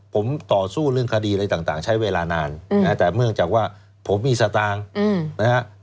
ผมต่อสู้เรื่องคดีอะไรต่างใช้เวลานานนะฮะแต่เนื่องจากว่าผมมีสตางค์นะฮะ